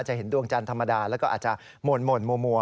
เห็นดวงจันทร์ธรรมดาแล้วก็อาจจะหม่นมัว